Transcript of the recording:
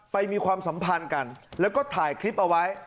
มีความสัมพันธ์กันแล้วก็ถ่ายคลิปเอาไว้